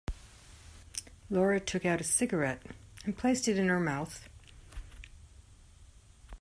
Laura took out a cigarette and placed it in her mouth.